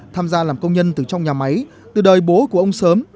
tham gia làm công nhân từ trong nhà máy từ đời bố của ông sớm